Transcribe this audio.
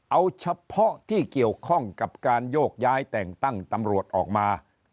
เอาเฉพาะที่เกี่ยวข้องกับการโยกย้ายแต่งตั้งตำรวจออกมา